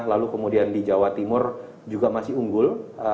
lalu kemudian di jawa timur juga masih unggul